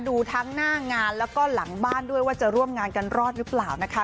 ดูทั้งหน้างานแล้วก็หลังบ้านด้วยว่าจะร่วมงานกันรอดหรือเปล่านะคะ